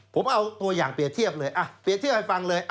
ผมเอาตัวอย่างเรียบเทียบเลยเปรียบเทียบให้ฟังเลย